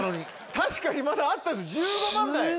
確かにまだあったんです１５万台。